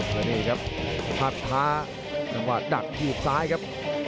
แล้วนี่ครับภาพช้าจังหวะดักถีบซ้ายครับ